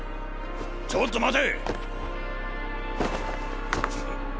ちょっと待て！